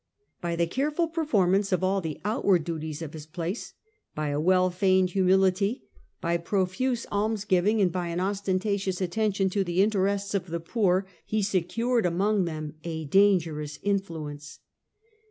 By the careful performance of all the outward duties of his place, by a well feigned humility, by profuse almsgiving, and by an ostentatious attention to the interests of the poor, he secured among them a dangerous influence.